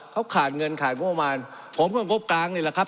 เขาขาดเงินขายกันประมาณผมก็จะลบกลางนี่ล่ะครับ